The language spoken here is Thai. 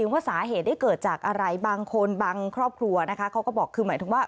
ว่าสาเหตุได้เกิดจากอะไรบางคนบางครอบครัวนะคะเขาก็บอกคือหมายถึงว่า